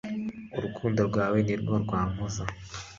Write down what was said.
Urukundo rwawe ni rwo rwampoza